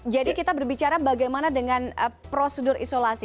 jadi kita berbicara bagaimana dengan prosedur isolasi